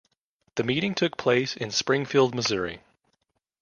The meeting took place in Springfield, Missouri.